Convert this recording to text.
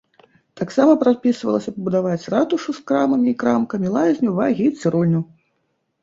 Таксама прадпісвалася пабудаваць ратушу з крамамі і крамкамі, лазню, вагі і цырульню.